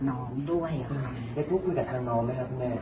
น้องด้วยค่ะได้พูดคุยกับทางน้องไหมคะคุณแม่